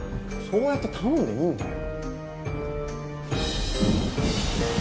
そうやって頼んでいいんだよ。